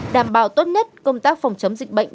đảm bảo tốt nhất công tác phòng chống dịch bệnh